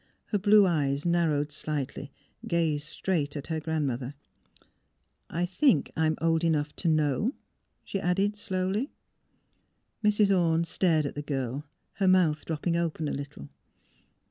Her blue eyes, narrowed slightly, gazed straight at her grandmother. *' I think I'm old enough to know," she added, slowly. Mrs. Orne stared at the girl, her mouth drop ping open a little.